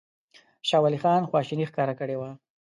شاه ولي خان خواشیني ښکاره کړې وه.